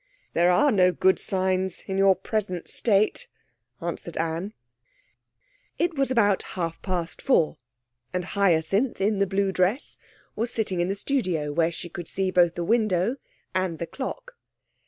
'There are no good signs, in your present state,' answered Anne. It was about half past four, and Hyacinth in the blue dress, was sitting in the studio, where she could see both the window and the clock.